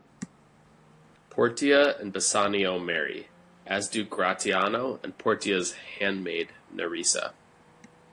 Portia and Bassanio marry, as do Gratiano and Portia's handmaid Nerissa.